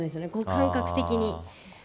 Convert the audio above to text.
感覚的に。